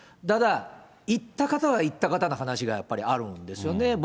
ただ、行った方は行った方の話がやっぱりあるんですよね。